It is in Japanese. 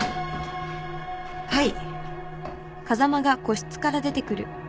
はい。